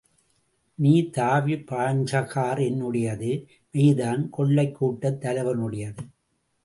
நீ தாவிப் பாய்ஞ்ச கார் என்னுடையது.. மெய்தான், கொள்ளைக் கூட்டத் தலைவனுடையது.